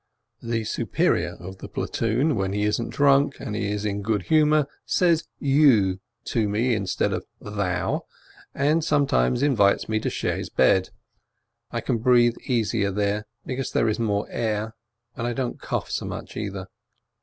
The superior of the platoon, when he isn't drunk, and is in good humor, says "you" to me instead of "thou," and sometimes invites me to share his bed — I can breathe easier there, because there is more air, and I don't cough so much, either.